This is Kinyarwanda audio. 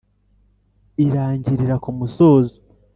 Irangirira kumusozo.